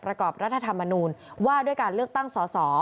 ประกอบรัฐธรรมนูญว่าด้วยการเลือกตั้งสอสอ